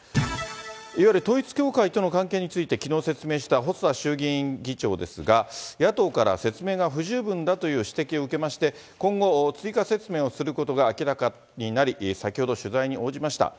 いわゆる統一教会との関係について、きのう説明した細田衆議院議長ですが、野党から説明が不十分だという指摘を受けまして、今後追加説明をすることが明らかになり、先ほど取材に応じました。